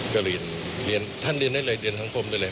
ก็เรียนเรียนท่านเรียนอะไรเรียนทั้งความได้เลย